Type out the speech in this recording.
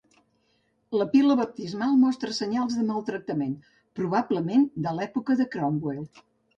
La pila baptismal mostra senyals de maltractament, probablement de l'època de Cromwell.